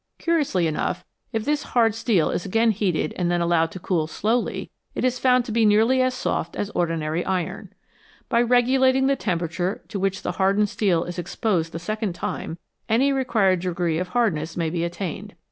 Curiously enough, if this hard steel is again heated and then allowed to cool slowly, it is found to be nearly as soft as ordinary iron. By re gulating the temperature to which the hardened steel is exposed the second time, any required degree of hardness may be attained.